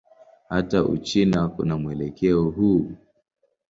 Hata Uchina kuna mwelekeo huu.